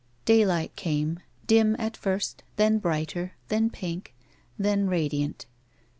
Daylight came, dim at first, then brighter, then pink, then radiant.